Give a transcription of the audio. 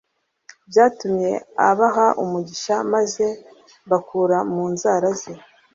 byatumye abaha umugisha maze mbakura mu nzara ze